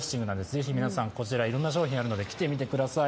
ぜひ皆さん、こちらいろんな商品がありますので、来てみてください。